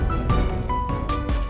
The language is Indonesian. kalo kamu mau ngasih tau